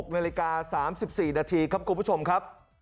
๖นาฬิกา๓๔นาทีครับคุณผู้ชมครับ